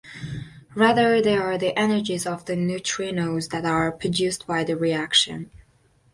Rather, they are the energies of the neutrinos that are produced by the reaction.